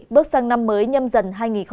bước sang năm mới nhâm dần hai nghìn hai mươi